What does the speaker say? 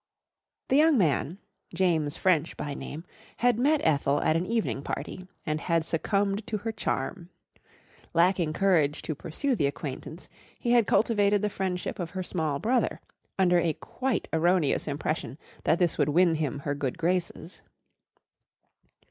The young man James French by name had met Ethel at an evening party and had succumbed to her charm. Lacking courage to pursue the acquaintance, he had cultivated the friendship of her small brother, under a quite erroneous impression that this would win him her good graces.